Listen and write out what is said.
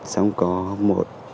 xong có một